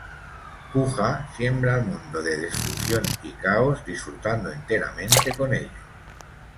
Kuja siembra el mundo de destrucción y caos, disfrutando enteramente con ello.